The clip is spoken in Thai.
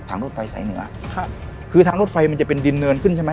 รถไฟสายเหนือครับคือทางรถไฟมันจะเป็นดินเนินขึ้นใช่ไหม